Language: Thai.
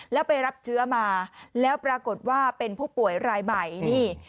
แล้วไปรับเชื้อมาแล้วปรากฏว่าเป็นผู้ป่วยรายใหม่นี่